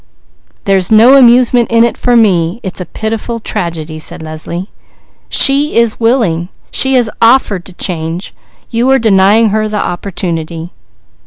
"There's no amusement in it for me, it is pitiful tragedy," said Leslie. "She is willing, she has offered to change, you are denying her the opportunity."